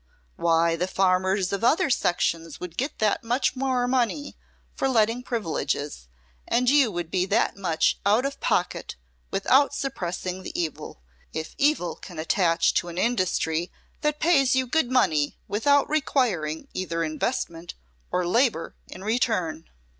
Why, the farmers of other sections would get that much more money for letting privileges, and you would be that much out of pocket without suppressing the evil if evil can attach to an industry that pays you good money without requiring either investment or labor in return."